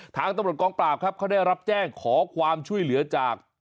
ทางตำรวจกองปราบครับเขาได้รับแจ้งขอความช่วยเหลือจาก